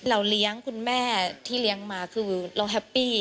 เลี้ยงคุณแม่ที่เลี้ยงมาคือเราแฮปปี้